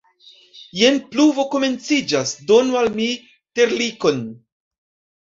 Jen pluvo komenciĝas, donu al mi terlikon!